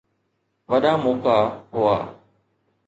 وڏا موقعا هئا.